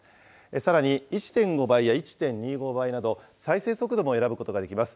さらに、１．５倍や１．２５倍など、再生速度も選ぶことができます。